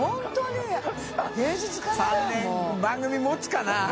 廓番組もつかな？